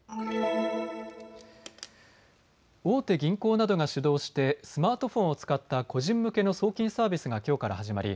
大手銀行などが主導してスマートフォンを使った個人向けの送金サービスがきょうから始まり